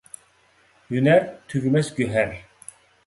ھۆنەر – تۈگىمەس گۆھەر.